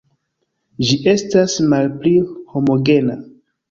Ĝi estas malpli homogena.